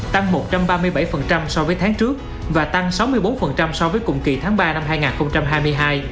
tăng một trăm ba mươi bảy so với tháng trước và tăng sáu mươi bốn so với cùng kỳ tháng ba năm hai nghìn hai mươi hai